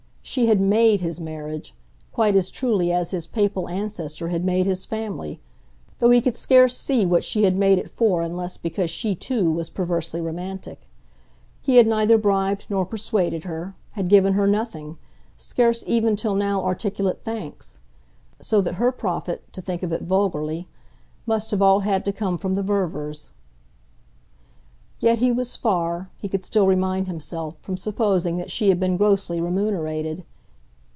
She had MADE his marriage, quite as truly as his papal ancestor had made his family though he could scarce see what she had made it for unless because she too was perversely romantic. He had neither bribed nor persuaded her, had given her nothing scarce even till now articulate thanks; so that her profit to think of it vulgarly must have all had to come from the Ververs. Yet he was far, he could still remind himself, from supposing that she had been grossly remunerated.